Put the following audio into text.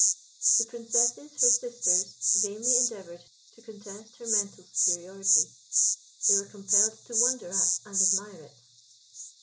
The Princesses, her sisters, vainly endeavoured to contest her mental superiority; they were compelled to wonder at and admire it.